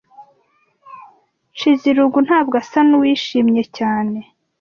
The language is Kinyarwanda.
Nshizirungu ntabwo asa nuwishimye cyane.